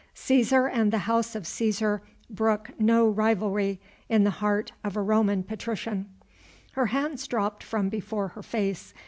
Cæsar and the House of Cæsar brook no rivalry in the heart of a Roman patrician." Her hands dropped from before her face.